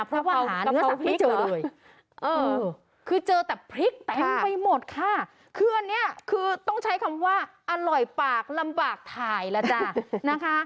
เพราะว่าหาเนื้อพริกเลยคือเจอแต่พริกเต็มไปหมดค่ะคืออันนี้คือต้องใช้คำว่าอร่อยปากลำบากถ่ายแล้วจ้ะนะคะ